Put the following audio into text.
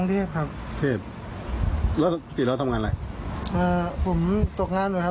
ไม่ครับนี่มาเที่ยวเพื่อเหมือนช็อตตัง